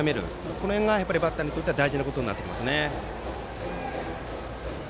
この辺がバッターにとっては大事なことになってきますね。